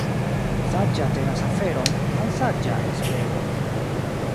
Saĝa tenas aferon, malsaĝa esperon.